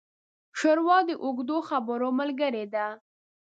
ښوروا د اوږدو خبرو ملګري ده.